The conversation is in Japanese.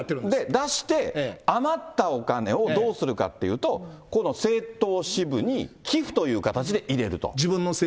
出して、余ったお金をどうするかっていうと、この政党支部に寄付という形で入れると。